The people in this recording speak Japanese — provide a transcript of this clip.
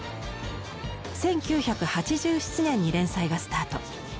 １９８７年に連載がスタート。